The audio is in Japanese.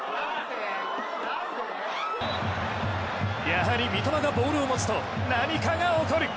やはり三笘がボールを持つと何かが起こる。